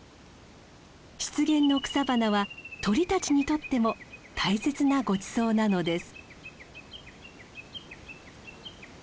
湿原の草花は鳥たちにとっても大切なごちそうなのです。